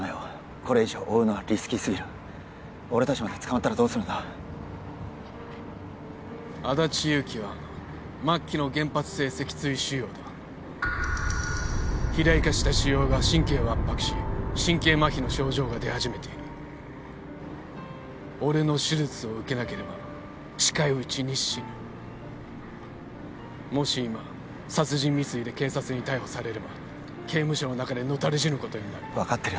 これ以上追うのはリスキー過ぎる俺達まで捕まったらどうするんだ安達祐樹は末期の原発性脊椎腫瘍だ肥大化した腫瘍が神経を圧迫し神経麻痺の症状が出始めている俺の手術を受けなければ近いうちに死ぬもし今殺人未遂で警察に逮捕されれば刑務所の中で野垂れ死ぬことになる分かってるよ